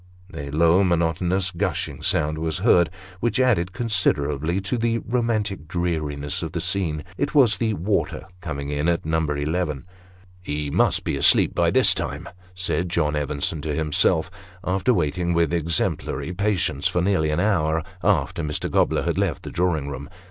A low, monotonous, gushing sound was heard, which added considerably to the romantic dreariness of the scene, it was the water " coming in " at number eleven. " He must be asleep by this time," said John Evenson to himself, after waiting with exemplary patience for nearly an hour after Mr. Gobler had left the drawing room.